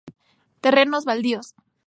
Terrenos baldíos.